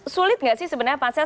sulit nggak sih sebenarnya pansel